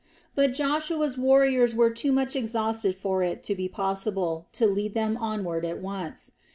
But Joshua's warriors were too much exhausted for it to be possible to lead them onward at once.